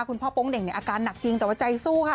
คุณพ่อป้องเด่งอาการหนักจริงแต่ว่าใจสู้ค่ะ